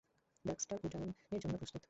Darkstar উড্ডয়নের জন্য প্রস্তুত।